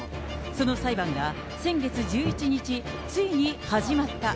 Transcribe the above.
その裁判が先月１１日、ついに始まった。